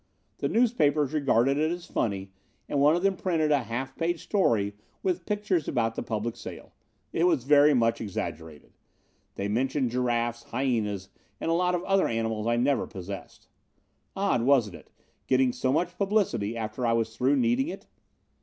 The newspapers regarded it as funny, and one of them printed a half page story with pictures about the public sale. It was very much exaggerated. They mentioned giraffes, hyenas, and a lot of other animals I never possessed. Odd, wasn't it, getting so much publicity after I was through needing it?